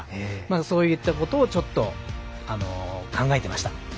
そういったことをちょっと考えてました。